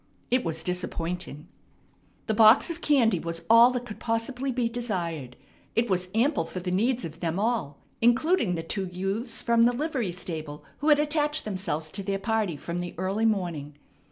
It was disappointing. The box of candy was all that could possibly be desired. It was ample for the needs of them all, including the two youths from the livery stable who had attached themselves to their party from the early morning.